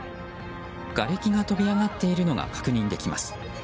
がれきが飛び上がっているのが確認できます。